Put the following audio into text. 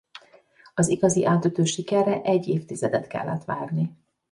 Az igazi átütő sikerre egy évtizedet kellett várni.